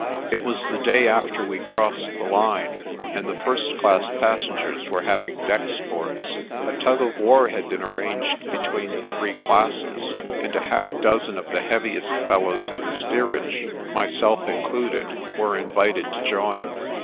It was the day after FURTH! FORTUNE! 31 we crossed the Line, and the first class passengers were hav ing deck sports. A tug of war had been arranged between the three classes, and a half dozen of the heaviest fellows in the steerage, myself included, were invited to join.